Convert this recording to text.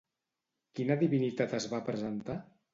Quina divinitat es va presentar?